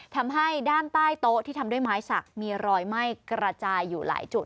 ทำให้ด้านใต้โต๊ะที่ทำด้วยไม้สักมีรอยไหม้กระจายอยู่หลายจุด